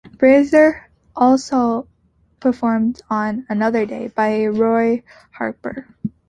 Fraser also performed on "Another Day" by Roy Harper.